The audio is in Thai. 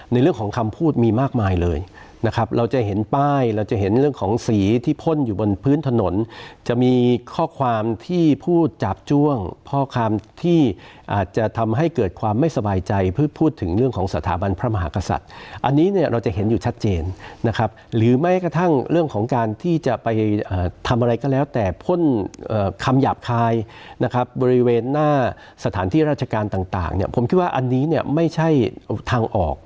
ในเรื่องของคำพูดมีมากมายเลยนะครับเราจะเห็นป้ายเราจะเห็นเรื่องของสีที่พ่นอยู่บนพื้นถนนจะมีข้อความที่พูดจาบจ้วงข้อความที่อาจจะทำให้เกิดความไม่สบายใจเพื่อพูดถึงเรื่องของสถาบันพระมหากษัตริย์อันนี้เนี่ยเราจะเห็นอยู่ชัดเจนนะครับหรือไม่กระทั่งเรื่องของการที่จะไปอ่าทำอะไรก็แล้วแต่พ่นอ่าคำหยาบค